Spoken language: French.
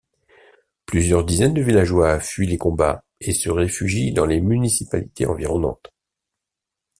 Plusieurs dizaines de villageois fuient les combats et se réfugient dans les municipalités environnantes.